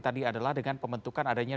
tadi adalah dengan pembentukan adanya